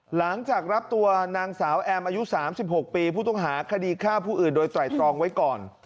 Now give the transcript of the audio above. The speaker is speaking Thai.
หลังจากรับตัวนางสาวแอมอายุ๓๖ปีผู้ต้องหาคดีฆ่าผู้อื่นโดยไตรตรองไว้ก่อน